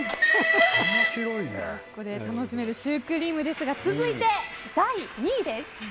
楽しめるシュークリームですが続いて、第２位です。